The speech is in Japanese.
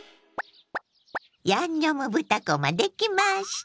「ヤンニョム豚こま」できました。